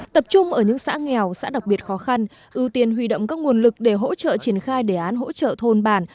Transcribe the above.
tập trung ở những xã nghèo xã đặc biệt khó khăn ưu tiên huy động các nguồn lực để hỗ trợ triển khai đề án hỗ trợ thôn bản